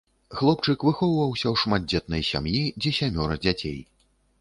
Хлопчык выхоўваўся ў шматдзетнай сям'і, дзе сямёра дзяцей.